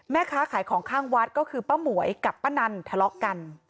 แม่ค้าขายของข้างวัดก็คือป้าหมวยกับป้านันทะเลาะกัน